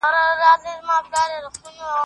مورنۍ ژبه د ښوونځي ګډون څنګه پراخوي؟